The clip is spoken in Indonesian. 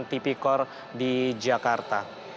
tipikor di jakarta